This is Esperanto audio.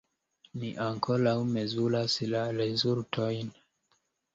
Ni ankoraŭ mezuras la rezultojn.